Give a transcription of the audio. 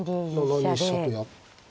７二飛車とやって。